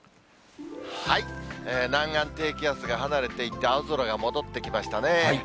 南岸低気圧が離れていって、青空が戻ってきましたね。